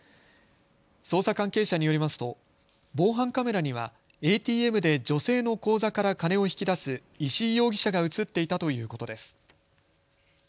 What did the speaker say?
捜査関係者によりますと防犯カメラにはＡＴＭで女性の口座から金を引き出す石井容疑者が写っていたということです。